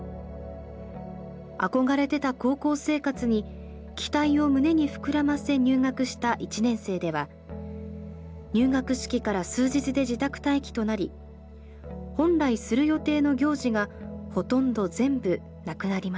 憧れてた高校生活に期待を胸に膨らませ入学した１年生では入学式から数日で自宅待機となり本来する予定の行事がほとんど全部無くなりました。